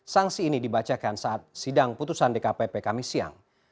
sanksi ini dibacakan saat sidang putusan dkpp kami siang